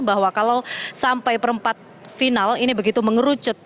bahwa kalau sampai perempat final ini begitu mengerucut